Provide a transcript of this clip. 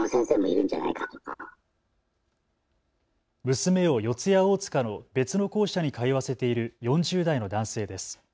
娘を四谷大塚の別の校舎に通わせている４０代の男性です。